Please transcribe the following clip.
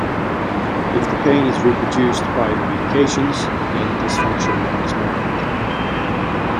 If the pain is reproduced by the medications, then dysfunction is more likely.